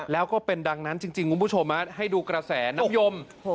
แล้วก็เป็นดังนั้นจริงคุณผู้ชมให้ดูกระแสน้ำยม